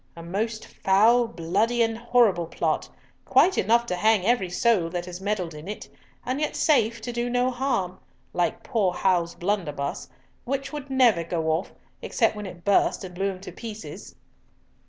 A most foul, bloody, and horrible plot, quite enough to hang every soul that has meddled in it, and yet safe to do no harm—like poor Hal's blunderbuss, which would never go off, except when it burst, and blew him to pieces."